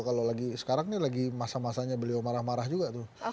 kalau lagi sekarang ini lagi masa masanya beliau marah marah juga tuh